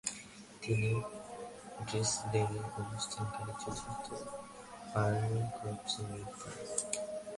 তিনি ড্রেসডেনে অবস্থানকারী চতুর্থ আর্মি কর্পসে নিয়োগ পান।